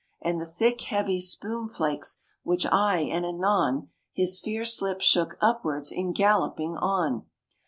And the thick heavy spume flakes which aye and anon His fierce lips shook upwards in galloping on.